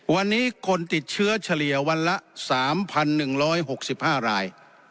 วันนี้คนติดเชื้อเฉลี่ยวันละ๓๑๖๕ราย